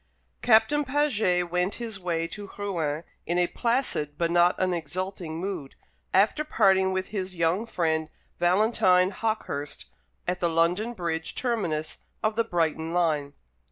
Captain Paget went his way to Rouen in a placid but not an exulting mood, after parting with his young friend Valentine Hawkehurst at the London Bridge terminus of the Brighton line.